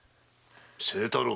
清太郎？